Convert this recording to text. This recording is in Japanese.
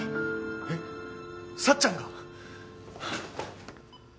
えっさっちゃんが！？